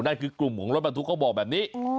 นั่นคือกลุ่มของรถบรรทุกเขาบอกแบบนี้